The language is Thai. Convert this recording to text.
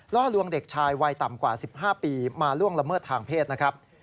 ล่อลวงเด็กชายวัยต่ำกว่า๑๕ปีมาล่วงละเมิดทางเพศนะครับ